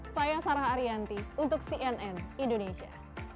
saya sarah ariyanti untuk cnn indonesia